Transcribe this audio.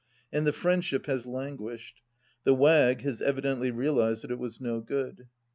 And the friendship has lan guished. The Wagg has evidently realized that it was no good.